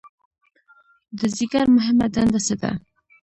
د ځیګر مهمه دنده څه ده؟